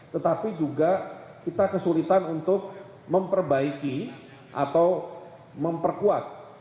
tetapi juga kita kesulitan untuk memperbaiki atau memperkuat